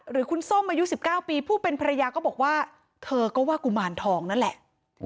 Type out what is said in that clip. หรือคุณส้มอายุ๑๙ปีผู้เป็นภรรยาก็บอกว่าเธอก็ว่ากุมารทองนั่นแหละ